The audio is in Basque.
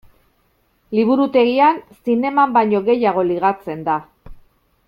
Liburutegian zineman baino gehiago ligatzen da.